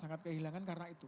sangat kehilangan karena itu